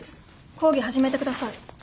講義始めてください。